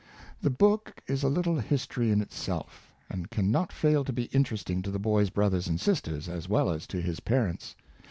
The book is a little history in itself, and can not fail to be interesting to the boy's brothers and sisters, as well as to his parents.